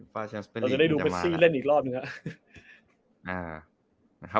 เราจะได้ดูแม็กซี่เล่นอีกรอบนะครับ